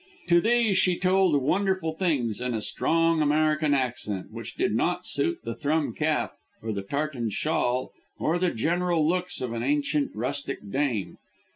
To these she told wonderful things in a strong American accent, which did not suit the thrum cap or the tartan shawl or the general looks of an ancient rustic dame.